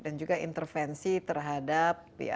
dan juga intervensi terhadap ya